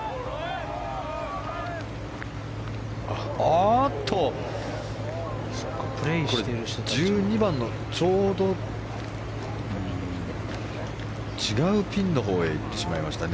おっと１２番のちょうど違うピンのほうへ行ってしまいました。